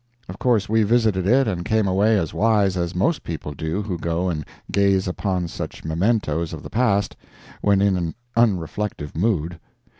Of course we visited it and came away as wise as most people do who go and gaze upon such mementoes of the past when in an unreflective mood.